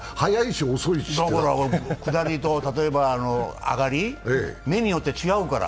下りと、上がり、目によって違うから。